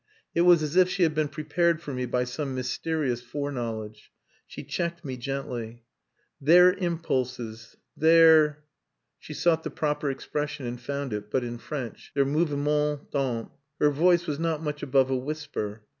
It was as if she had been prepared for me by some mysterious fore knowledge. She checked me gently "Their impulses their..." she sought the proper expression and found it, but in French... "their mouvements d'ame." Her voice was not much above a whisper.